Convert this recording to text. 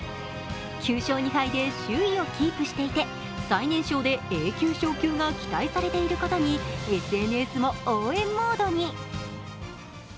９勝２敗で首位をキープしていて、最年少でＡ級昇格が期待されていることに、ＳＮＳも応援モードに。